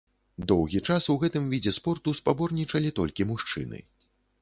Доўгі час у гэтым відзе спорту спаборнічалі толькі мужчыны.